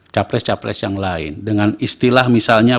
capres capres yang lain dengan istilah misalnya